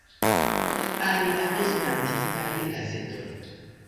Al la Esperantistaj Gazetoj.